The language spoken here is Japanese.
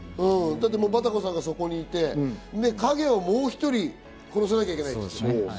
バタコさんがそこにいて、影をもう１人殺さなきゃいけないって。